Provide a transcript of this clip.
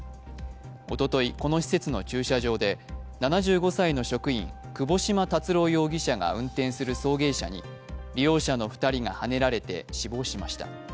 おととい、この施設の駐車場で７５歳の職員窪島達郎容疑者が送迎する送迎車に利用者の２人がはねられて死亡しました。